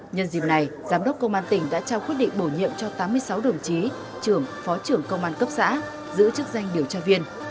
nhân dịp này giám đốc công an tỉnh đã trao quyết định bổ nhiệm cho tám mươi sáu đồng chí trưởng phó trưởng công an cấp xã giữ chức danh điều tra viên